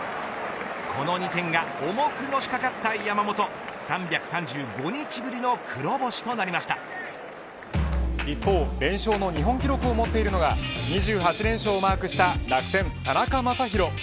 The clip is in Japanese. この２点が重くのしかかった山本３３５日ぶりの一方連勝の日本記録を持っているのが２８連勝をマークした楽天、田中将大。